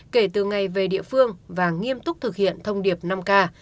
kể từ ngày về địa phương và nghiêm túc thực hiện thông điệp năm k